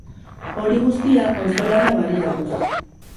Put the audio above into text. Hori guztia, auzolana baliatuz.